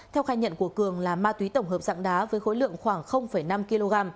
theo khai nhận của cường là ma túy tổng hợp dạng đá với khối lượng khoảng năm kg